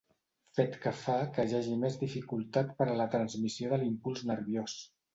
Fet que fa que hi hagi més dificultat per a la transmissió de l'impuls nerviós.